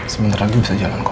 sebentar lagi bisa jalan kok